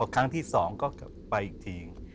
ครั้งที่๒ก็ไปอีกที